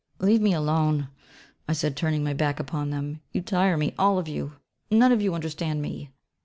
'Leave me alone,' I said, turning my back upon them, 'you tire me, all of you; none of you understand me.'